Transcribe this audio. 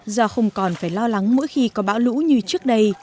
do không còn phải lo lắng mỗi khi có bão lũ như trước đây